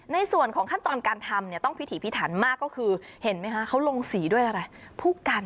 ในส่วนของขั้นตอนการทำเนี่ยต้องพิถีพิถันมากก็คือเห็นไหมคะเขาลงสีด้วยอะไรผู้กัน